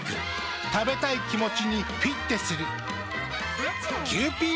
食べたい気持ちにフィッテする。